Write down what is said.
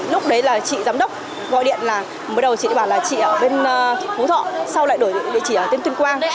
lúc đấy là chị giám đốc gọi điện là mới đầu chị bảo là chị ở bên phú thọ sau lại đổi địa chỉ ở tên tuyên quang đấy